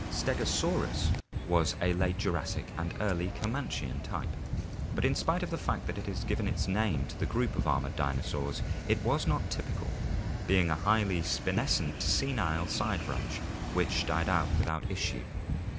SUgosaurus (Figs. 164, 165; PL XIII) was a late Jurassic and early Comanchian type, but in spite of the fact that it has given its name to the group of armored dinosaurs, it was not typical, being a highly spinescent senile side branch which died out without issue.